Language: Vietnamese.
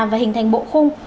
và hình thành bộ khung